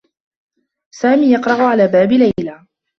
سامي يقرع على باب ليلى.